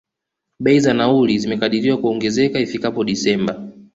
Bei za nauli, zimekadiriwa kuongezeka ifikapo December.